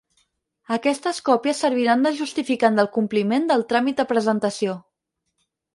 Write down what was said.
Aquestes còpies serviran de justificant del compliment del tràmit de presentació.